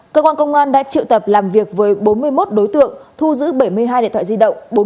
cơ quan công an đã triệu tập làm việc với bốn mươi một đối tượng thu giữ bảy mươi hai điện thoại di động